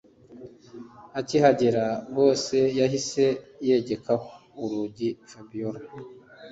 Akihagera boss yahise yegekaho urugi Fabiora